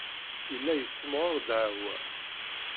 Yella yessemɣar ddeɛwa.